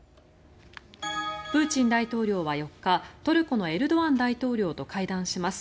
プーチン大統領は４日トルコのエルドアン大統領と会談します。